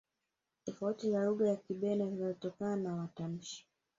tofauti za lugha ya kibena zinazotokana na matamshi